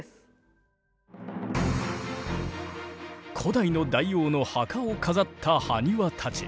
古代の大王の墓を飾ったハニワたち。